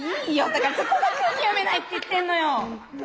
だからそこが空気読めないって言ってんのよ！」。